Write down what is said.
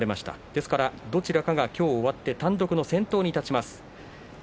ですから、どちらかが今日終わって単独の先頭に立ちます。